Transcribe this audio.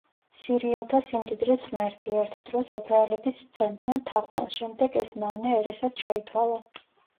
სირიელთა სიმდიდრის ღმერთი, ერთ დროს ებრაელებიც სცემდნენ თაყვანს, შემდეგ ეს მავნე ერესად ჩაითვალა.